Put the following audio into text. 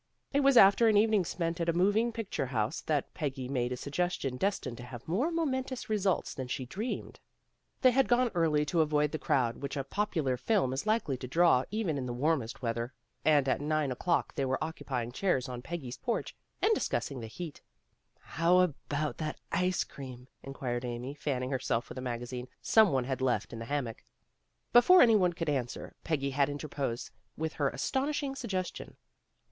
It was after an evening spent at a moving picture house that Peggy made a suggestion destined to have more momentous results than she dreamed. They had gone early to avoid 98 FRIENDLY TERRACE ORPHANAGE 99 the crowd which a popular film is likely to draw even in the warmest weather, and at nine o 'clock they were occupying chairs on Peggy 's porch, and discussing the heat. "How about ice cream? " inquired Amy, fanning herself with a magazine some one had left in the ham mock. Before any one could answer, Peggy had in terposed with her astonishing suggestion.